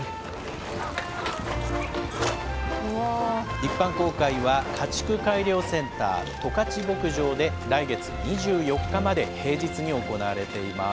一般公開は、家畜改良センター十勝牧場で、来月２４日まで、平日に行われています。